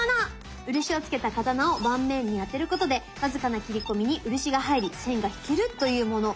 漆をつけた刀を盤面にあてることで僅かな切り込みに漆が入り線が引けるというもの！